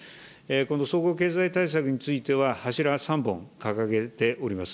この総合経済対策については柱３本、掲げております。